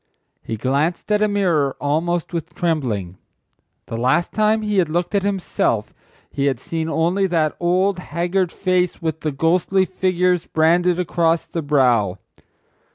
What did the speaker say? He glanced at a mirror almost with trembling. The last time he had looked at himself he had seen only that old, haggard face with the ghostly figures branded across the brow.